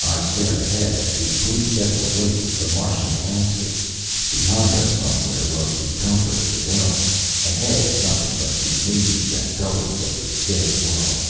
I stared ahead at the bleak, desolate wastes of the Martian landscape. Behind us somewhere was the comfort of the Dome, ahead nothing but the mazes and gullies of this dead world.